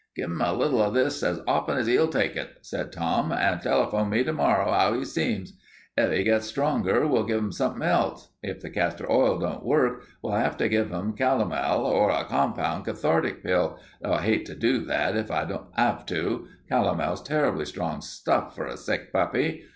"Give 'im a little of this as often as 'e'll take it," said Tom, "and telephone me to morrow 'ow 'e seems. If 'e gets stronger, we'll give 'im something else. If the castor oil don't work, we'll 'ave to give 'im calomel or a compound cathartic pill, though I 'ate to do that if I don't 'ave to. Calomel's terrible strong stuff for a sick puppy.